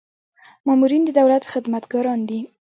مامورین د دولت خدمتګاران دي